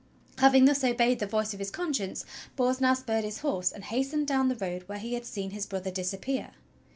Having thus obeyed the voice of his conscience, Bors now spurred his horse and hastened down the road where he had seen his brother disappear.